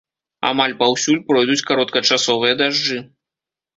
Амаль паўсюль пройдуць кароткачасовыя дажджы.